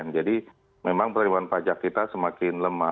jadi memang penerimaan pajak kita semakin lemah